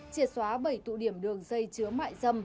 triệt xóa bảy tụ điểm đường dây chứa mại dâm